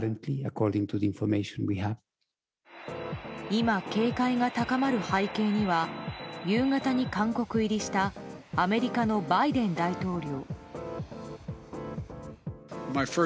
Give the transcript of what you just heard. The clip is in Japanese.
今、警戒が高まる背景には夕方に韓国入りしたアメリカのバイデン大統領。